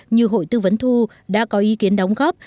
như hội tư vấn thu đã có ý kiến đóng góp